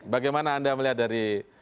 bagaimana anda melihat dari